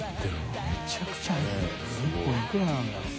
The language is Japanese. １本いくらなんだろう？